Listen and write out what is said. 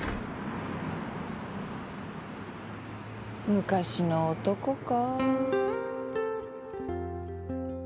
昔の男か。